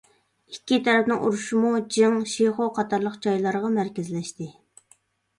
ئىككى تەرەپنىڭ ئۇرۇشىمۇ جىڭ، شىخۇ قاتارلىق جايلارغا مەركەزلەشتى.